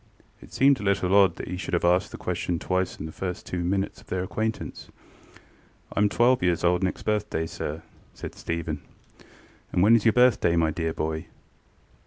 ŌĆØ It seemed a little odd that he should have asked the question twice in the first two minutes of their acquaintance. ŌĆ£IŌĆÖm twelve years old next birthday, sir, ŌĆØ said Stephen. ŌĆ£And when is your birthday, my dear boy?